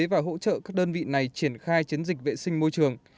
và hỗ trợ các đơn vị này triển khai chiến dịch vệ sinh môi trường